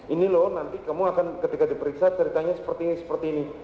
ini loh nanti kamu akan ketika diperiksa ceritanya seperti ini seperti ini